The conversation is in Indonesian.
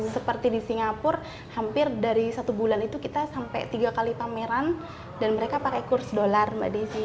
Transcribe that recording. seperti di singapura hampir dari satu bulan itu kita sampai tiga kali pameran dan mereka pakai kurs dollar mbak desi